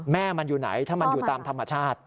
แม่มันอยู่ไหนถ้ามันอยู่ตามธรรมชาติ